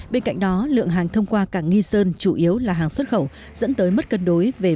bên cạnh đó lượng hàng thông qua cảng nghi sơn chủ yếu là hàng xuất khẩu dẫn tới mất cân đối